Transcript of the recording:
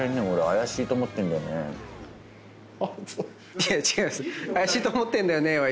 「怪しいと思ってんだよね」は。